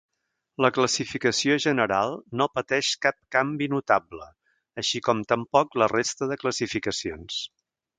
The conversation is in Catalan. La classificació general no pateix cap canvi notable, així com tampoc la resta de classificacions.